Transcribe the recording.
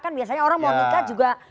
kan biasanya orang mau nikah juga